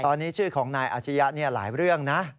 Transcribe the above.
ตอนนี้ชื่อของนายอาชียะหลายเรื่องนะ